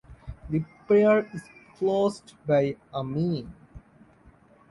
The prayer is closed by Amen.